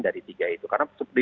coba dikotakkan dari tiga itu